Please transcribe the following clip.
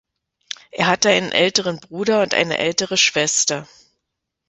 Er hatte einen älteren Bruder und eine ältere Schwester.